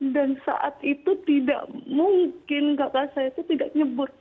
dan saat itu tidak mungkin kakak saya itu tidak nyebut